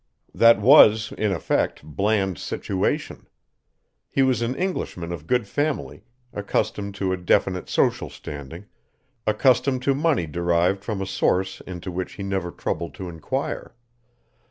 That was, in effect, Bland's situation. He was an Englishman of good family, accustomed to a definite social standing, accustomed to money derived from a source into which he never troubled to inquire.